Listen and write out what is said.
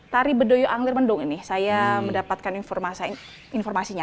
tari bedoyo anglir mendung ini saya mendapatkan informasinya